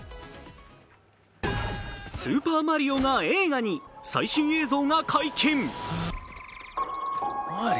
「スーパーマリオ」が映画に最新映像が解禁。